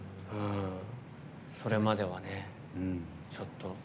それまではね、ちょっと。